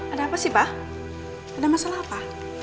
ada apa sih pak ada masalah apa